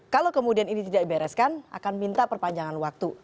kalau kemudian ini tidak dibereskan akan minta perpanjangan waktu